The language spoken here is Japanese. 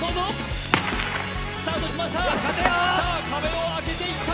壁を開けていった。